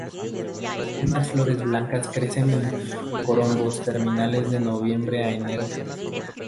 Pequeñas flores blancas crecen en corimbos terminales de noviembre a enero.